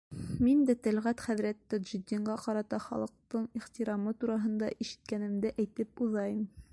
— Мин дә Тәлғәт хәҙрәт Тажетдинға ҡарата халыҡтың ихтирамы тураһында ишеткәнемде әйтеп уҙайым.